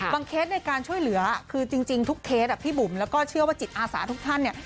เคสในการช่วยเหลือคือจริงทุกเคสพี่บุ๋มแล้วก็เชื่อว่าจิตอาสาทุกท่านเนี่ย